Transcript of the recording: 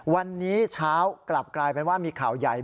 วันนี้เช้ากลับกลายเป็นว่ามีข่าวใหญ่